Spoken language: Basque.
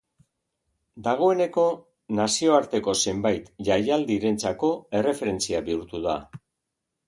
Dagoeneko, nazioarteko zenbait jaialdirentzako erreferentzia bihurtu da.